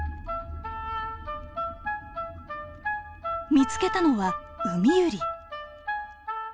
見つけたのはウミユリ。